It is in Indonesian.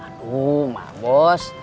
aduh mbak bos